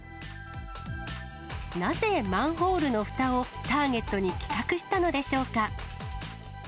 なぜ、マンホールのふたをターゲットに企画したのでしょうか。